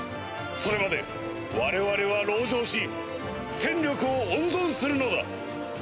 それまで我々は籠城し戦力を温存するのだ！